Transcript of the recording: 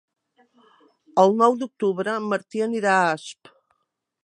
El nou d'octubre en Martí anirà a Asp.